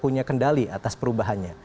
punya kendali atas perubahannya